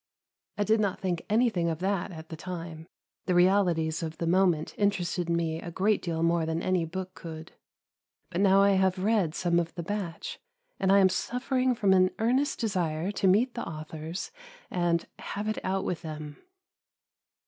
I did not think anything of that at the time, the realities of the moment interested me a great deal more than any book could; but now I have read some of the batch, and I am suffering from an earnest desire to meet the authors and "have it out with them."